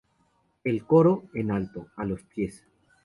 El coro, en alto, a los pies.